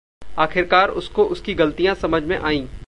आखिरकार उसको उसकी ग़लतियाँ समझ में आईं।